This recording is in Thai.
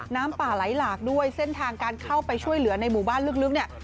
น้ำป่าไหลหลากด้วยเส้นทางการเข้าไปช่วยเหลือในหมู่บ้านลึกเนี่ย